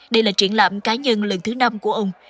đây là triển lãm cá nhân lần thứ năm của ông